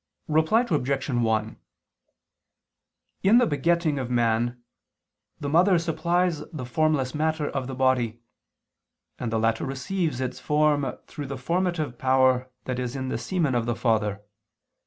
Reply Obj. 1: In the begetting of man, the mother supplies the formless matter of the body; and the latter receives its form through the formative power that is in the semen of the father.